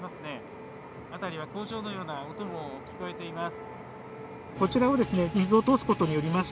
辺りは工場のような音も聞こえています。